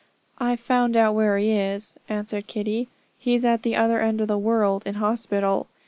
'I've found out where he is,' answered Kitty. 'He's at the other end of the world, in hospital.